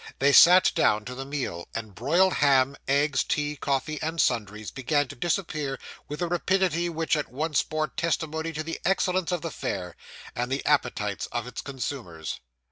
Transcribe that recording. They sat down to the meal; and broiled ham, eggs, tea, coffee and sundries, began to disappear with a rapidity which at once bore testimony to the excellence of the fare, and the appetites of its consumers.